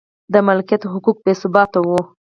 د مالکیت حقوق بې ثباته و.